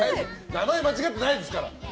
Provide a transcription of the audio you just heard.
名前間違ってないですから。